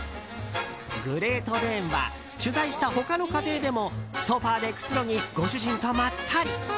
グレート・デーンは取材した他の家庭でもソファでくつろぎご主人とまったり。